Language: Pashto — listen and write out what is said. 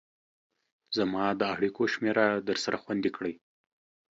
زما د اړيكو شمېره درسره خوندي کړئ